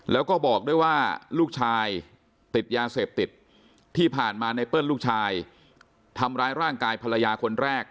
แล้วก็บอกด้วยว่าลูกชายติดยาเสพติดที่ผ่านมาไนเปิ้ลลูกชายทำร้ายร่างกายภรรยาคนแรก